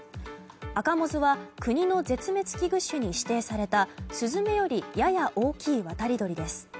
アカモズは国の絶滅危惧種に指定されたスズメよりやや大きい渡り鳥です。